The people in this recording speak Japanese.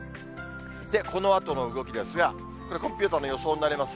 このあとの動きですが、これ、コンピューターの予想になります。